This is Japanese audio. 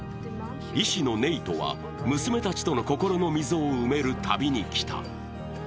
医師のネイトは娘たちとの心の溝を埋める旅に来た。